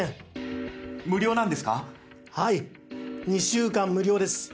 ２週間無料です。